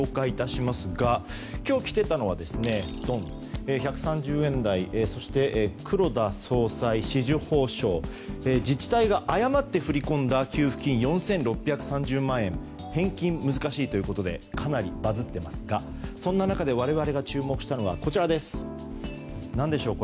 今日、来ていたのは１３０円台黒田総裁紫綬褒章自治体が誤って振り込んだ給付金４６３０万円は返金が難しいということでかなりバズってますがそんな中で我々が注目したのが何でしょう